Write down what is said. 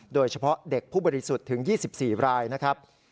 โดยเฉพาะเด็กผู้บริสุทธิ์ถึง๒๔รายนะครับ